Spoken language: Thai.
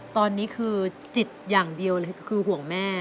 ตอนนี้คือจิตอย่างเดียวเลยคือห่วงแม่